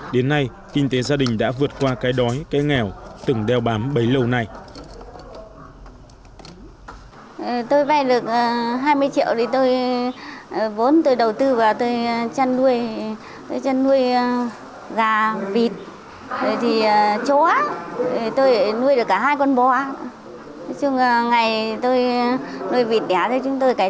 đến nay kinh tế gia đình đã vượt qua cái đói cái nghèo từng đeo bám bấy lâu nay